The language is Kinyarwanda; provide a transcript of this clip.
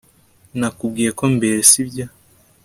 nakubwiye ko mbere, sibyo